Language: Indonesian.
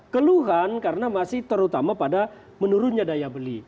keluhan karena masih terutama pada menurunnya daya beli